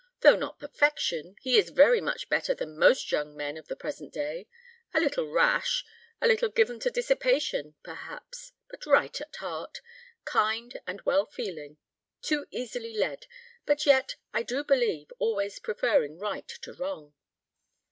"Though not perfection, he is very much better than most young men of the present day; a little rash, a little given to dissipation, perhaps, but right at heart, kind and well feeling; too easily led, but yet, I do believe, always preferring right to wrong."